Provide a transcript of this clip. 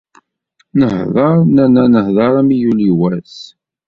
Nehder nerna nehder armi yuli wass.